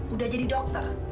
udah jadi dokter